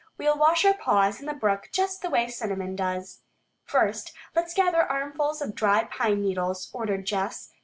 "We'll wash our paws in the brook just the way Cinnamon does." "First, let's gather armfuls of dry pine needles," ordered Jess.